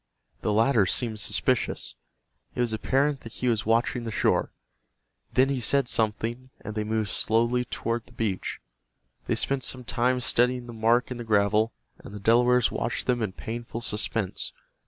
The latter seemed suspicious. It was apparent that he was watching the shore. Then he said something, and they moved slowly toward the beach. They spent some time studying the mark in the gravel, and the Delawares watched them in painful suspense.